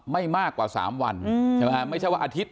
ไม่มากกว่าสามวันใช่ป่ะอืมใช่ป่ะไม่ใช่ว่าอาทิตย์